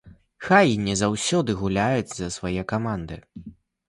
Хай і не заўсёды гуляюць за свае каманды.